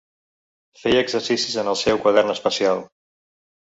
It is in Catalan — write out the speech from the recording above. Feia exercicis en el seu quadern especial.